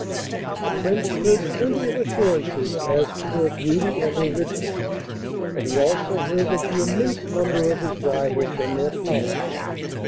The Prince heard plenty of assurances as to her beauty and her riches, but he also heard of the immense number of his rivals and their power.